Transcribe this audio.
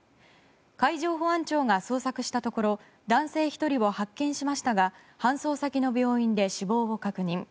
海上保安庁が捜索したところ男性１人を発見しましたが搬送先の病院で死亡を確認。